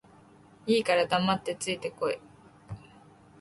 いいから黙って着いて来て